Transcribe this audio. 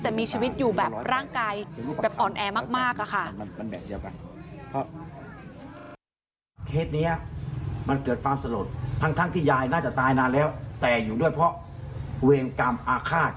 แต่มีชีวิตอยู่แบบร่างกายแบบอ่อนแอมากอะค่ะ